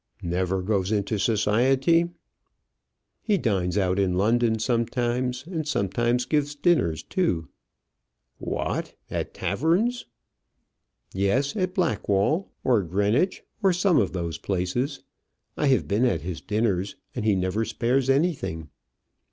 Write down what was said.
"Never goes into society?" "He dines out in London sometimes; and sometimes gives dinners too." "What! at taverns?" "Yes; at Blackwall, or Greenwich, or some of those places. I have been at his dinners, and he never spares anything."